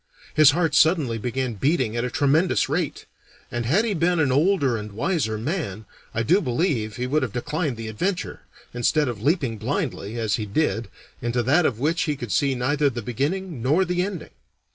His heart suddenly began beating at a tremendous rate, and had he been an older and wiser man, I do believe he would have declined the adventure, instead of leaping blindly, as he did, into that of which he could see neither the beginning nor the ending.